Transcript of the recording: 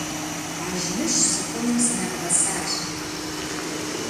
Ажьмыжь сыхъуным сынэбгъэсащ.